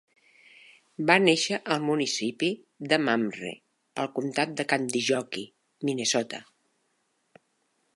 Va néixer al municipi de Mamre, al comtat de Kandiyohi, Minnesota.